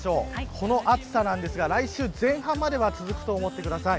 この暑さですが、来週前半までは続くと思ってください。